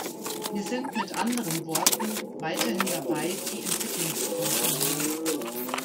Wir sind mit anderen Worten weiterhin dabei, die Entwicklung zu kontrollieren.